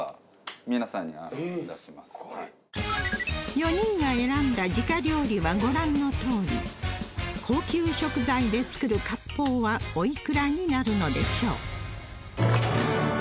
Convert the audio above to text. ４人が選んだ時価料理はご覧のとおり高級食材で作る割烹はおいくらになるのでしょう？